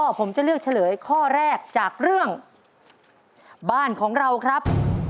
ผมจะเลือกเฉลยข้อแรกจากเรื่องบ้านของเราครับ